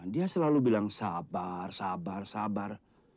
dia selalu bilang sabar sabar sabar